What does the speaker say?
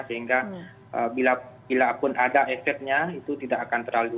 sehingga bila pun ada efeknya itu tidak akan terlalu